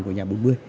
của nhà bốn mươi